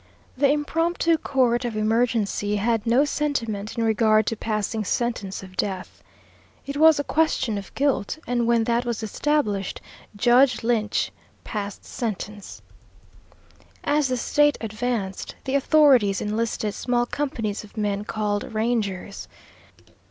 The impromptu court of emergency had no sentiment in regard to passing sentence of death. It was a question of guilt, and when that was established, Judge Lynch passed sentence. As the State advanced, the authorities enlisted small companies of men called Rangers.